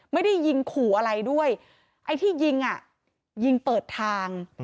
ไม่ได้ยิงขู่อะไรด้วยไอ้ที่ยิงอ่ะยิงยิงเปิดทาง